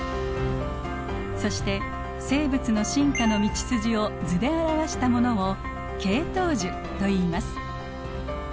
そして生物の進化の道筋を図で表したものを「系統樹」といいます。